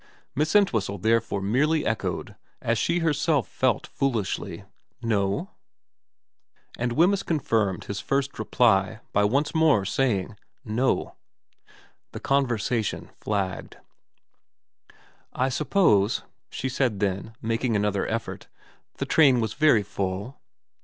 Miss Ent whistle therefore merely echoed, as she herself felt foolishly, ' No ?' And Wemyss confirmed his first reply by once more saying, ' No.' The conversation flagged. *I suppose,' she then said, making another effort, ' the train was very full.'